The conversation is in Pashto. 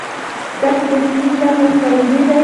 دښتې د اقلیمي نظام یو ښکارندوی دی.